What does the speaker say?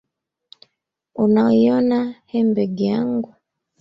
Unaiona henbegi yangu?